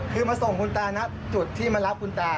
คือมาส่งคุณตานะจุดที่มารับคุณตา